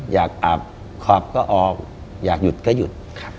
อยากอาบขอบก็ออกอยากหยุดก็หยุด